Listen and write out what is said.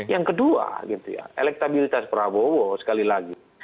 yang kedua elektabilitas prabowo sekali lagi